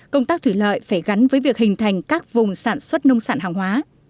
công tác thủy lợi phải gắn với việc hình thành các vùng sản xuất nông sản hàng hóa